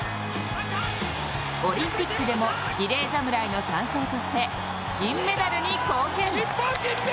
オリンピックでもリレー侍の３走として銀メダルに貢献。